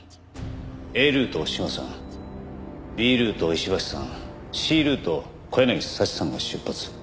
Ａルートを島さんＢルートを石橋さんＣルートを小柳早智さんが出発。